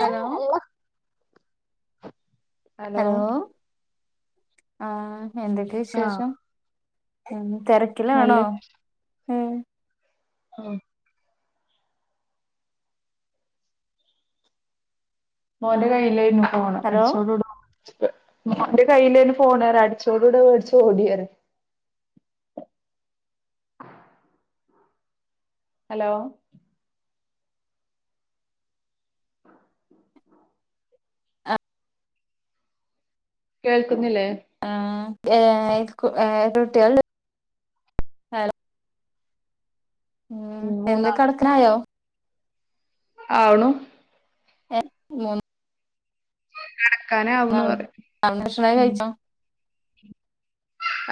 Hello hello ആഹ് എന്തൊക്കെ ആഹ് വിശേഷം നല്ല തിരക്കിലാണോ ഉം ആഹ് മോന്റെ കയ്യിലെയിന്നു ഫോണ് ഹലോ അടിച്ചോ ഇടു മോന്റെ കയ്യിലയിനു ഫോണ് പറിയ അടിച്ചോട് കൂടി വെടിച്ചു ഓടി പറിയ ഹലോ കേൾക്കുന്നില്ലേ ആഹ് ഏ എത്ര കുട്ടിയാൾ ഉണ്ട് ഉം എന്ത കടക്കാൻ ആയോ ആവുണു ഏ മൂന് കടക്കാൻ ആ നാൾ ഭക്ഷണൊക്കെ കഴിച്ചോ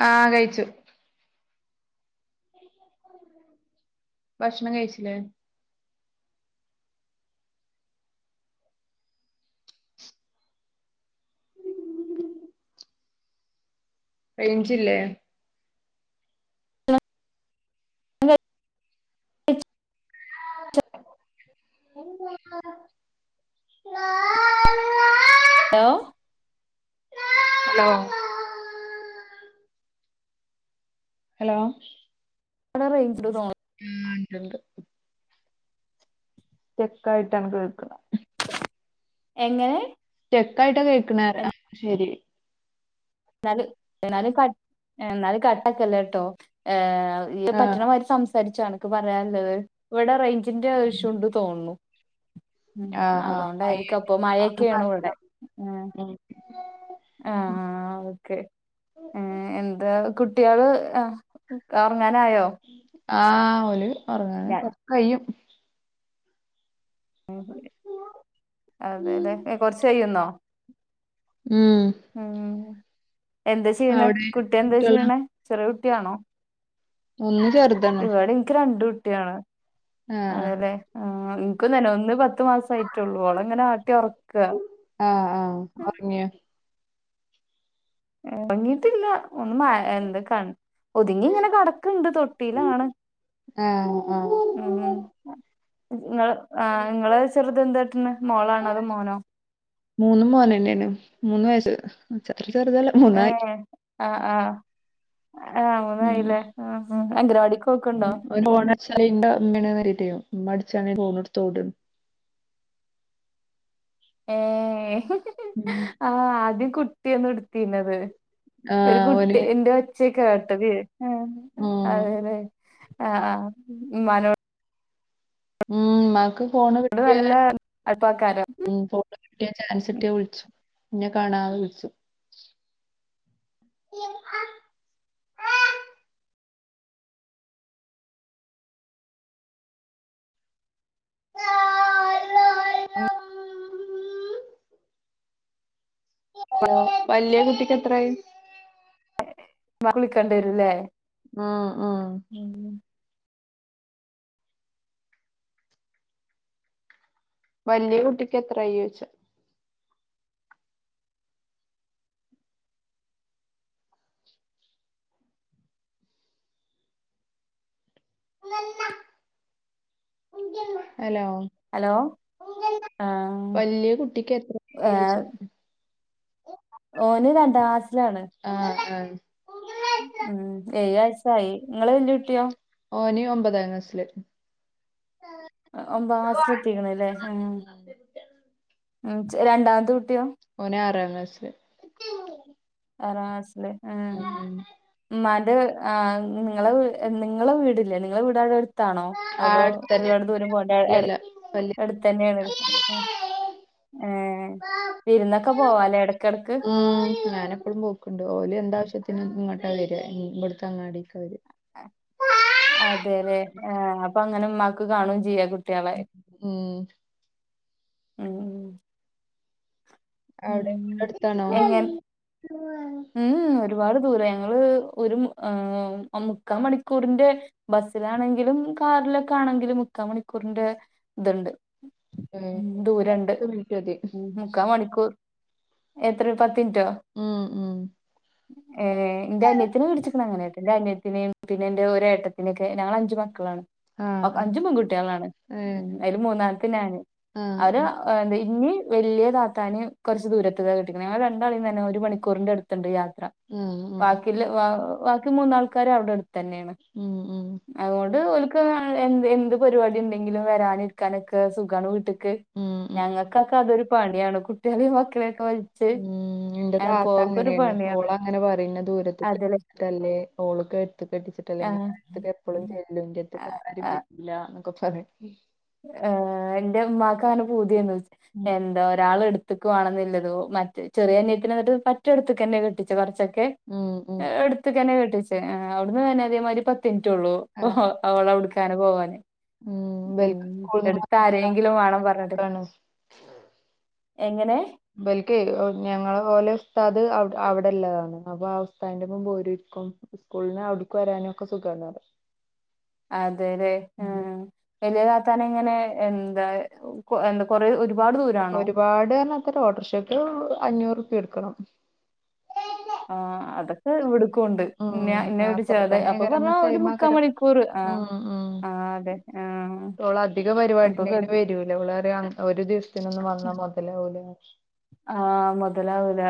ആഹ് കഴിച്ചു ഭക്ഷണം കഴിച്ചിലെ റെയിൻഞ്ചില്ലേ [inaudible] ആ അള്ളാ.. ഹലോ ഹലോ ഹലോ [unintelligible] മമ് ഇണ്ട് ഇണ്ട് സ്റ്റെക്കായിട്ടാണ് കേൾക്ണെ എങ്ങനെ സ്റ്റേക്കായിട്ട്. കേക്ക്ണ് പറിയ ശരി ഇന്നാലും ഇന്നാലും കട്ട് ഇന്നാലും കട്ടാക്കല്ലട്ടോ ഏഹ് ഇയ്യ് ആഹ് പറ്റണമാരി സംസാരിച്ചോ അനക്ക് പറയാനുള്ളത് ഇവിടെ റേഞ്ചിന്റെ ഇഷുണ്ട്ന്ന് തോന്നുണു ഉം ആഹ് ആഹ് അതോണ്ടായിരിക്കാ ഇപ്പോ മഴയൊക്കെണു ഇവിടെ മ് ഉം ആഹ് ആഹ് ആഹ് ഓക്കെ ഏ എന്താ കുട്ടി ആള് ഉറങ്ങാനായോ ആഹ് ഓല് ഉറങ്ങാന് ഞാൻ കെറച്ച് കയ്യും [unintelligible] അതെലെ ഏ കുറച്ച് കയ്യുന്നോ മം ഉം എന്താ ചെയ്യണെ അവിടെ കുട്ടി എന്താ കുട്ട്യാള് ചെയ്യണെ ചെറിയ കുട്ടിയാണോ ഒന്ന് ചെറുത് ഇവിടെ എനിക്ക് രണ്ട് കുട്ടിളാ ആഹ് ആഹ് അതെല്ലെ ആ ഇനിക്ക് തന്നെ ഒന്ന് പത്ത് മാസ ആയിട്ടുള്ളൂ ഓള്ളൂ ഇങ്ങനെ ആട്ടി ഒറക്കാ. ആഹ് ആഹ് ഒറങ്ങിയേ ഒറങ്ങിയിട്ടില്ല ഒന്ന് എന്താ ക ഒതുങ്ങി ഇങ്ങനെ കടക്കുണ്ട് തൊട്ടിയിലാണ്. ആഹ് ആഹ് ഉം നിങ്ങള് ആ നിങ്ങളെ ചെറുത് എന്തായിട്ടന്ന് മോളാണോ അതോ മോനോ. മൂന്നും മോനന്നേന് മൂന്ന് വയസ്സ് ചെറു ചെറുതല്ല മൂന്നായി. ഏഹ് ആഹ് ആഹ് ആ ഉം മൂന്നായില്ലേ ആഹ് അംഗനവാടിക്ക് പോക്ക് ഇണ്ടോ. ഫോൺ അടിച്ചാൽ ഉണ്ടോന്ന് അറിഞ്ഞിട്ട് ഉമ്മ അടിച്ചാൽ ഫോണെടുത്ത് ഓടണ് ഏഹ് ഉം ആഹ് ആദ്യം കുട്ടിയാണ്എടുത്തിന്നത് ഒരു ആഹ് ഓന് കുട്ടിന്റെ ഒച്ചയ കേ കേട്ടത്. ആഹ് ഉം അതെല്ലേ ആഹ് ഉമ്മാനോട് ഉം ഉമ്മാക്ക്ഫോണ് കിട്ടിയ. നല്ല അടുപ്പാക്കാരം കിട്ടിയ ചാൻസ്ട്ടിയ വിളിച്ചു ഇന്നെ കാണാതെ വിളിച്ചു. [inaudible] [inaudible] ഹലോ വല്ല്യ കുട്ടിക്ക് എത്രായി. മളിക്ക ണ്ടേ രും ല്ലേ. ഉം ഉം ഉം വല്ല്യ കുട്ടിക്ക് എത്രയി ചോയ്ച്ച. ഹലോ ഹലോ ആഹ് വല്ല്യ കുട്ടിക്ക് എത്രായി. ഏഹ് ഓന് രണ്ടാ ക്ലാസിലാണ്. ആഹ് ആഹ് ഉം എഴ് വയസ്സായി ങ്ങളെ വല്ല്യ കുട്ടിയോ. ഓന് ഒമ്പതാം ക്ലാസ്സില്. ഉം. ഒമ്പതാം ക്ലാസ് ല് എത്തിക്കണ അല്ലേ രണ്ടാമത്തെ കുട്ടിയോ. ഓനെ ആറാം ക്ലാസ്ല്ല്. ആറാം ക്ലാസിലെ ഉം ഉം ഉമ്മാന്റെ ആഹ് നിങ്ങള നിങ്ങളെ വീടില്ലേ നിങ്ങളെ വീട് അവിടെ അടുത്താണോ. ആ അപ്പൊ അടുത്തന്നെ ഒരുപാട് ദൂരം പോവണ്ട ഇല്ലല്ല വല്യ എടുത്തന്നെണ്. ഏഹ് വിരുന്നൊക്കെ പോവാലേ ഇടക്കിടക്ക്. ഉം ഞാനപ്പോഴും പോക്കുണ്ട് ഓലും എന്താവശ്യത്തിന് ഇങ്ങോട്ടാ വരി ഇടുത്തെ അങ്ങാടക്കെ വരി. അതെല്ലെ ആഹ് അപ്പൊ അങ്ങനെ ഉമ്മാക്ക് കാണുകയും ചെയ്യാ കുട്ട. ട്ട്യാളെ ഉം ഉം അവിടെ ഉം അടുത്തണോ എങ്ങനെ ഉം ഒരുപാട് ദൂര ഞങ്ങള് ഒരു മുക്കാൽ മണിക്കൂറിന്റെ. ബസ്സിലാണെങ്കിലും കാറിലൊക്കെ ആണെങ്കിലും മുക്കാ മണിക്കൂറിന്റെ ഇതുണ്ട്. ഏഹ് ഉം ദൂരണ്ട് പത്ത് മിനിറ്റ് മതി ഉം മുക്കാ മണിക്കൂർ. എത്ര പത്മിനുറ്റോ ഉം ഉം ഏഹ് ന്റെ അന്യത്തിനെ കെട്ടിച്ചക്കണേ അങ്ങനെട്ടോ ന്റെ അന്യതിനെ ഏട്ടത്തിനെയൊക്കെ ഞങ്ങൾ അഞ്ച് മക്കളാണ്. ആഹ് ആഹ് അഞ്ചു പെൺകുട്ടികളാണ് ഏഹ് ഉം അയ്ല് മൂന്നാമത്തെ ഞാന് ആഹ് അവര്. ആഹ് എന്താ ഇന്നിം വല്ല്യ താത്താനിം കുറച്ച് ദൂരത് ക്കെട്ടിക്കുന്നത് ഞങ്ങൾ രണ്ടാളി തന്നെ ഒരു മണി. മിക്കൂറിന്റെ അടുത്തുണ്ട് യാത്ര ആഹ് ആഹ് ബാക്കി ബാക്കി മൂന്നാൾക്കാരും അവിടെടു. തന്നേൺ ഉം ഉം അതോണ്ട് എന്ത് എന്ത് പരിപാടി ഉണ്ടെങ്കിലും വരാനരിക്കാനൊക്കെ സുഖാണ് വീട്ട ഉം ഉം ഞങ്ങൾക്കൊക്കെ അതൊരു പണിയാണ് കുട്ടികളെ മക്കളെയൊക്കെ വലച്ച് ാത്ത അങ്ങനെണ് ഓളങ്ങനെ പറയുന്ന ദൂരത്ത അതില് ല്ലേ ഓളക്കെ എടുത്ത് ആ കെട്ടിച്ചിട്ടല്ലെടുത്ത എപ്പളും ചെല്ലും ഇന്റെട്തക്ക് ആരും ആ ഇല്ല എന്നൊക്കെ പറ ഏഹ് എന്റെഉമ്മാക്കാണ് പൂതിയന്ന് ഉം എന്താ ഒരാൾ എടു ക്ക് വേണംന്നില്ലതോ മറ്റ ചെറിയ നീട്ടിന എന്നിട്ട് പറ്റൊടത്തക്ക തന്നെ കെട്ടിച്ച കൊറച്ചൊക്കെ ഉം ഉം എടുത്തക്കന്നെ കെട്ടിച്ചേ അവിടുന്ന് തന്നെ അതേമാതിരി പത്തിനിറ്റള്ളു ആ, അവളെവിടുക്കാനെ പോവാന് ഉം ഉം ഇവൽക്ക് സ്കൂളിൽ അടുത്ത നിന്ന് ആരെങ്കിലും വേണം പറഞ്ഞത് നോക്കാണ് എങ്ങനെ ബലിക്കേ ഞങ്ങള ഓലെസ്ഥ അത് അവിടെല്ലാതാണ് അപ്പൊ ആ അവസ്താന്റെ മൻപ്രരിക്കും സ്കൂളിന് അടുക്ക് വരാനുംക്ക സുഖമാണ് അതെല്ലെ ആ ഉം. വലിയ താത്താന ഇങ്ങനെ എന്താ എന്താ കൊറെ ഒരുപാട് ദൂ ഒരുപാട് പറാരത്ത ഓട്ടോറിഷോക്ക് അഞ്ഞൂറ്പ്യ എടുക്കണം ആഹ അതൊക്കെ ഇവിടുക്കുംണ്ട് ഉം ഇന്ന ആ അത്ര ചെറുതായി തന്നെ അപ്പൊ പറഞ്ഞാ ഏകദേശം ഒരു സെയിം മുക്കാ ആക്കാരം മണിക്കൂർ ആ ഉം ആ അതെ ആഹ് ഓള അധിക അപ്പൊ കെ പരിപാടിന് വരു ഓള് പറയും ഒരു ദിവസത്തിനൊന്നും വന്നാ മുതലാവില്ല ഉ ആഹ് മൊതലാവൂല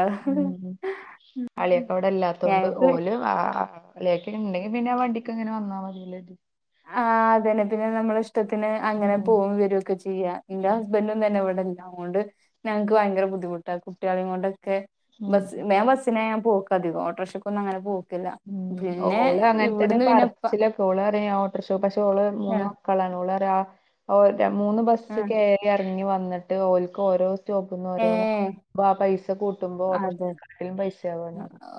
അളിയൊക്കെ അവിടെല്ലാത്തുകൊണ്ട് ഞങ്ങക്ക് ആളൊക്കെ ഉണ്ടെങ്കി പിന്നെ വണ്ടിക്ക് അങ്ങനെ വന്നാൽ മതിയല്ലേത് ആ് അതന്നെ പിന്നെ നമ്മള ഇഷ്ടത്തിന് അങ്ങനെ ഉം പോക വരൊക്കെ ചെയ്യാം ചെയ്യ എ ഉം ഹസ്ബന്ഡ ഒന്നും തന്നെ ഇവിടില്ല അതുകൊണ്ട് ഞങ്ങക്ക് ഭയങ്കര ബുദ്ധിമുട്ടാണ് കുട്ടികളെ കൊണ്ടൊക്കെ ഉം ബസ് ഞാ ബസ്സിനെ ഞാ പോക്ക അധിക ഓട്ടോറിക്ഷയ്ക്ക ഒന്ന് അങ്ങനെ പോക്കില്ല ഉം പിന്നെ ഓൾ അങ്ങനെ തന്നെ ഇവിടുന്ന് പിന്നെ ഇപ്പ പറച്ചില അവഓള് അറിയാം ഓട്ടോറിക്ഷ പക്ഷെ അവഓള് മൂന്ന് ആഹ് മക്കളാണ് അവഓള്റിയ മൂന്ന് ബസ് ആഹ് ഇറങ്ങി വന്നിട്ട് ഓക്ക് ഓരോ സ്റ്റോപ്പിൽ ഓരോ ഏഹ് പൈസ കൂ അതെ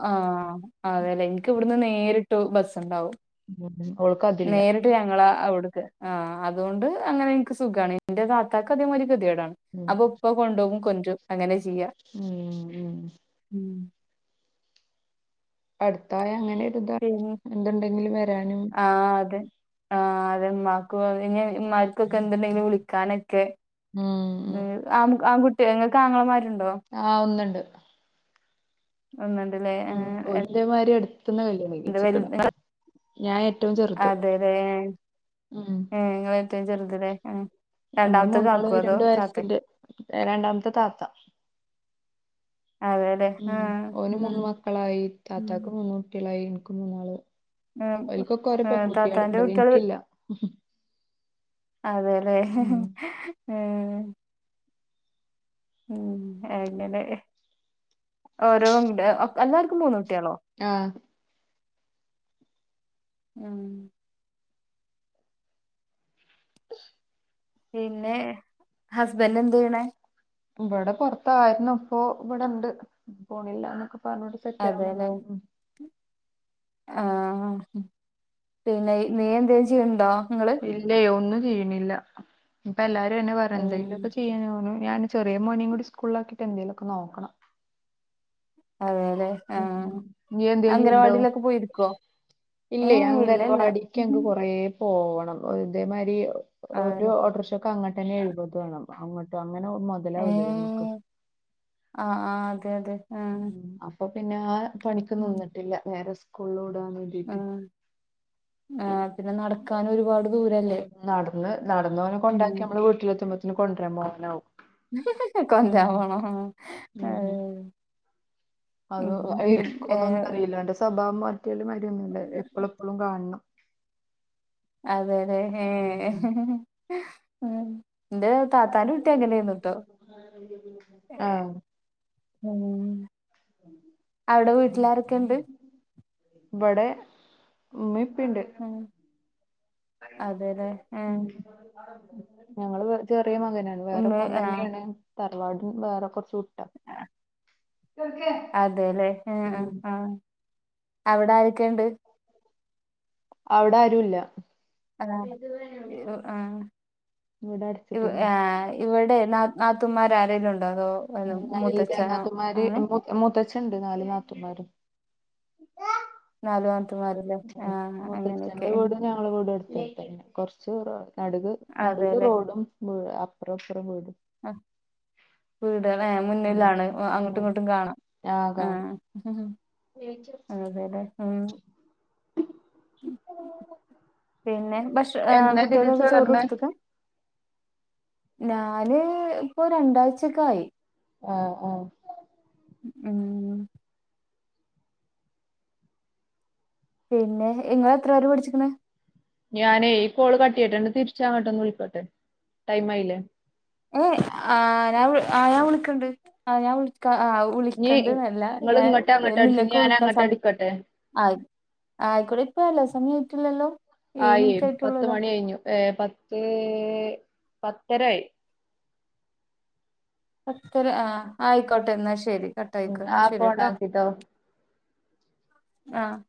ആഹ അതെല്ലേ എനിക്ക് ഇവിടുന്ന് നേരിട്ട് ബസ് ഉണ്ടാവും ഉം ഓൾക്കത്തില്ല ഞങ്ങള അവിടു ആ അതുകൊണ്ട് അങ്ങനെ എനിക്ക് സുഖമാണ് എന്റെ താത്താക്ക് അധികം വലിയ ഗതിയേടാണ് ഉം അപ്പൊ ഉപ്പ കൊണ്ടുപോകും കൊണ്ടും അങ്ങനെ ചെയ്യുക ഉം ഉം ഉം അടുത്തായ അങ്ങനെ ഒരുതാ പിന്നെ എന്തുണ്ടെങ്കില് വരാനും ആ അതെ ഇമ്മക്ക് ഇ ഉമ്മാർക്കൊക്കെ എന്തുണ്ടെങ്കിലും വിളിക്കാനൊക്കെ ഉം ഉ ആ ആൺകുട്ടി ഇങ്ങൾക്ക് ആങ്ങളമാരുണ്ടോ ആ് ഒന്നണ്ട് ഒന്നണ്ട്ല്ലേ ഏ അതേമാതിരി എടുത്തുന്ന കല എന്താ വല ചെറുത് അതെ അതെലെ ഉം റ്റം ചെറുതലെ ഞങ്ങള് രണ്ടാമത്തെ മൂന്നാള് താക്കു അതോ രണ്ട് കാക്കേ വയസ്സിന്റെ രണ്ടാമത്തെ താത്ത അതെല്ലേ ഉ ആഹ് ഓന് ആഹ് മൂന്ന് മക്കളായി ഉം താത്താക്കും മൂന്ന് കുട്ടികളായി എനിക്കും മൂന്നാള് ഒരിക്കൊക്കെ ഓരോ ഏഹ് താത്താന്റെ പെൺകുട്ടികളുണ്ട് കുട്ടികള് എനിക്കില്ല അതെല്ലേ ഉം ഉം ഉ അങ്ങനെ ഓരോ ണ്ട് ഒകെ എല്ലാവർക്കും മൂന്ന് കുട്ടിയാളോ? ആഹ ഉം പിന്നെ ഹസ്ബൻറ് എന്ത ചെയ്ണെ? ഇവിടെ പൊറത്തായിരുന്നു അപ്പൊ ഇവിടെണ്ട് പോണില്ല എന്നൊക്കെ പറഞ്ഞ്. അതെല്ലേ. ആ പിന്നെ നീ എന്തേ ചെയ്യണ്ടോ നിങ്ങ ഇ ലെയ് ഒന്നും ചെയ്യണില്ല ഇപ്പ എല്ലാരും അതന്നെ പറ ഉം എന്തെങ്കിലുമൊക്കെ ചെയ്യാൻ തോന്ന ഞാൻ. ചെറിയ മോനയും കൂടി സ്കൂളിലാക്കിട്ട് എന്തേലുമൊക്കെ നോക്കണം. അതെല്ലെ ഉം ആഹ് ഇയ് എന്തേലും ചെയ്യ്ണ്ടോ? അംഗനവാടിയിലൊക്കെ പോയിരിക്കുവോ ഇല്യേ ഏഹ് ഇല്ലല്ല അംഗൻവാടിക്ക് അങ്ങക്ക് കൊറേ പോവണം ഇതേ മാതിരി ഒര് അതെ ഓട്ടർട്ടക്ഷ അങ്ങട്ടെന്നെ എഴുപത് വേണം അങ്ങട്ട് അങ്ങനെ മൊതലാവൂല ല്ലോ നമക്ക്. ഏഹ് ആഹ് ആഹ് അതെ അതെ. ആഹ് ഉം അപ്പൊ പിന്നെ ആ പണിക്ക്ന്നിന്നിട്ടില്ല നേരെ സ്കൂള്‌വി ടാന്ന് വേ ഉം ആ പിന്നെ നടക്കാന് ഒരുപാട് ദൂരെ നടന്ന് നടന്ന് ഓനെ കൊണ്ടാക്കി നമ്മള് വീട്ടിലെത്തുമ്പോത്തിന് കൊട്രാരാൻ പോവാനാവും. ഹി ഹി കൊട്രാരാൻ പോണൊ ആ. ഉം അത് ഇരിക്കോന്നൊന്നും അറീല ഓന്റെ സ്വഭാവം മാ [unintelligible] എപ്പളെപ്പളും കാണണം. അതേലെ ഏ. ഉം. ഇന്റെ താത്താന്റെ കുട്ടി അങ്ങനെന്നുട്ടോ ഏ ആ ഉം. [inaudible] അവിടെ വീട്ടിലാരൊക്കെണ്ട്? ഇമ്പടെ ഇമ്മിം പ്പിണ്ട്. ഉം. അതെല്ലേ ഏഹ് മ് ഞങ്ങള് ചെറ്യ മകന. വേറെ ഉമ്മ ആഹ് പോന്നന്നെണ് തറവാടും വേറെ കൊർച്ച് ആഹ്. അതേലെ ഏ ആ ഉം. ആ അവടെ ആരെക്കെണ്ട്? അവ്ടാരുല്ല. അലാതെ ഉ ഏ ഇവിടെ ഉ അടച്ചിട്ടേക്കും ഏയ് ഇവിടെ നാ നാത്തൂൻമാർ ആരെലും ഉണ്ടോ അതോ വല്ല ഇല്ല മൂത്തച്ഛനോ നാത്തൂമാര് അങ്ങനെ മൂത്തച്ഛണ്ട് നാല് നാത്തൂമാരും. നാല് നാത്തൂൻമാരുംല്ലേ ആ ഉം അങ്ങനെയൊക്കെ. മുത്തച്ഛന്റെ വീടും ഞങ്ങളെ വീടും അട്ത്തട്ത്തന്നെ കൊർച്ച് നട്ക് അതെല്ലേ നടൂല്റോഡും പ് അപ്ര ഇപ്രാം വീട്. ആ വീട്ലേ ഉം മുന്നിലാണ് അങ്ങട്ടും ഉം ഇങ്ങട്ടും കാണാം ആഹ് ആ കാണും ഹ്. [unintelligible] അതേലെ ഉം. പിന്നെ ഭക്ഷ ആ എന്നാ ഇതില് കുട്ട്യക്കൊക്കെ ചേർന്നെ ചോറൊട്ത്തക്ക? ഞാന് ഇപ്പൊ രണ്ടായ്ചക്കായ്. ആഹ് ആഹ്. ഉം. പിന്നെ ഇങ്ങള് എത്ര വരെ പഠിച്ചിക്ക്ണ്? ഞാനെ ഈ കോള് കട്ടയ്യട്ടേ ന്ന്ട്ട് തിര്ച്ചങ്ങട്ടൊന്ന് വിളിക്കട്ടെ ടൈം ആയില്ലേ? ഏ ആ ഞാൻ ആ ഞാൻ വിളിക്കണ്ട് ആ ഞാൻ വിളിക്കാ ആ ഇനി വിളിക്കണ്ട്ന്നല്ല നിങ്ങള് ഞാൻ ഇങ്ങട്ട് അങ്ങട്ട് അടിച്ച് ഇനി നിങ്ങക്ക് ഞാൻ വിളിക്കാൻ അങ്ങട്ട് സമ അടിക്കട്ടെ ആയ് ആയിക്കോട്ടെ ഇപ്പലേ സമയായിട്ടില്ലല്ലോ? ഏഴ് ആയെ മിനിറ്റ് പത്ത് ആയിട്ടുള്ളല്ലോ മണി കഴ്ഞ്ഞു ഏ പത്ത് പത്തരായി. പത്തര ആ ആയിക്കോട്ടെ എന്നാ ശെരി കട്ട് ഉം ആയിക്കോ എന്നാ ആപ്പ് ശെരി ട്ടോ. ഓണാക്കിട്ടോ ആഹ്.